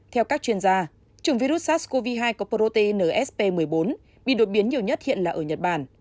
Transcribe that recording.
theo các chuyên gia chủng virus sars cov hai có prote nsp một mươi bốn bị đột biến nhiều nhất hiện là ở nhật bản